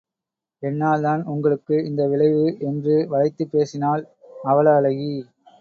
என்னால் தான் உங்களுக்கு இந்த விளைவு என்று வளைத்துப் பேசினாள் அவல அழகி.